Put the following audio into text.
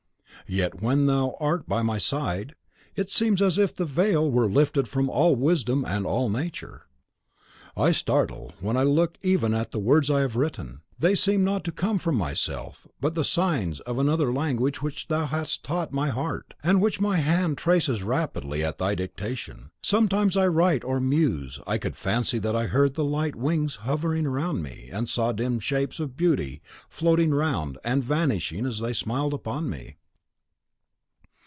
Yet when thou art by my side, it seems as if the veil were lifted from all wisdom and all Nature. I startle when I look even at the words I have written; they seem not to come from myself, but are the signs of another language which thou hast taught my heart, and which my hand traces rapidly, as at thy dictation. Sometimes, while I write or muse, I could fancy that I heard light wings hovering around me, and saw dim shapes of beauty floating round, and vanishing as they smiled upon me.